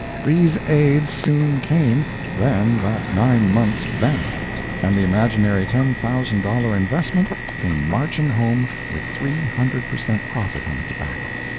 These aids soon came, then that nine months vanished, and the imaginary ten thousand dollar investment came marching home with three hundred per cent. profit on its back!